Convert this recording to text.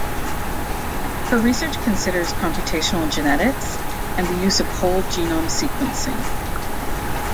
Her research considers computational genetics and the use of whole genome sequencing.